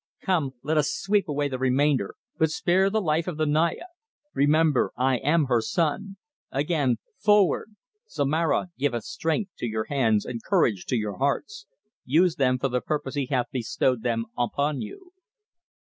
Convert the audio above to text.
Come, let us sweep away the remainder, but spare the life of the Naya. Remember I am her son. Again, forward! Zomara giveth strength to your hands and courage to your hearts. Use them for the purpose he hath bestowed them upon you."